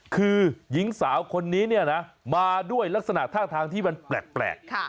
คือหญิงสาวคนนี้เนี่ยนะมาด้วยลักษณะท่าทางที่มันแปลก